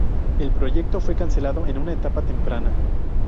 El proyecto fue cancelado en una etapa temprana.